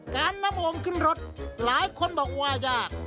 การนำโอมขึ้นรถหลายคนบอกว่ายาก